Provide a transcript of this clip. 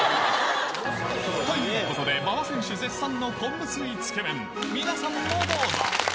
ということで、馬場選手絶賛の昆布水つけ麺、皆さんもどうぞ。